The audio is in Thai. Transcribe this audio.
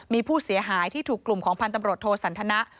มีผู้เสียหายที่ถูกกลุ่มของพันธ์ตำรวจโทสันทนะ